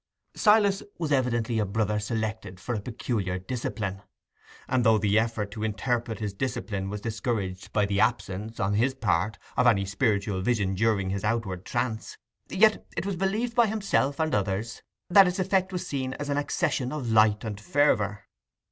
Silas was evidently a brother selected for a peculiar discipline; and though the effort to interpret this discipline was discouraged by the absence, on his part, of any spiritual vision during his outward trance, yet it was believed by himself and others that its effect was seen in an accession of light and fervour.